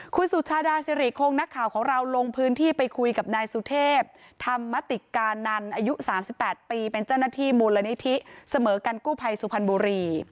คุณสุชาดาสิริคงนักข่าวของเราลงพื้นที่ไปคุยกับนายสุเทพธรรมติกานันอายุ๓๘ปีเป็นเจ้าหน้าที่มูลนิธิเสมอกันกู้ภัยสุพรรณบุรี